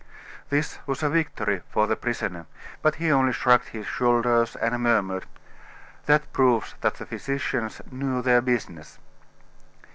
This was a victory for the prisoner, but he only shrugged his shoulders and murmured: "That proves that the physicians knew their business."